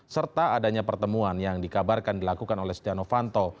serta adanya pertemuan yang dikabarkan dilakukan oleh tiano fanto